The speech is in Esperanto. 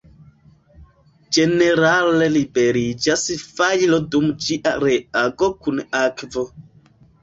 Ĝenerale liberiĝas fajro dum ĝia reago kun akvo.